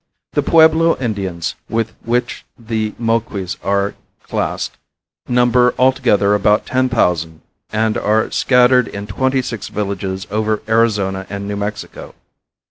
The Pueblo Indians, with which the Moquis are classed, number altogether about ten thousand and are scattered in twenty six villages over Arizona and New Mexico.